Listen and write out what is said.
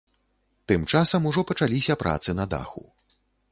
Тым часам ужо пачаліся працы на даху.